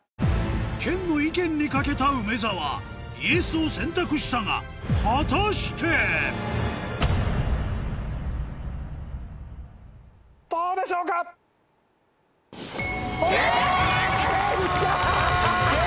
研の意見に懸けた梅沢ＹＥＳを選択したが果たして⁉どうでしょうか⁉研さん！